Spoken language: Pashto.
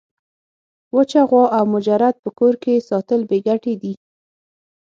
وچه غوا او مجرد په کور کي ساتل بې ګټي دي.